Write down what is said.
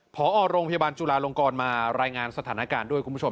พอโรงพยาบาลจุลาลงกรมารายงานสถานการณ์ด้วยคุณผู้ชม